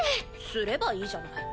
すればいいじゃない。